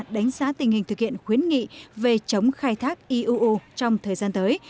hành trình thực hiện khuyến nghị về chống khai thác eu trong thời gian tới